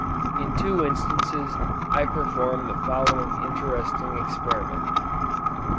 In two instances, I performed the following interesting experiment.